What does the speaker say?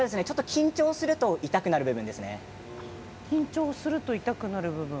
緊張すると痛くなる部分？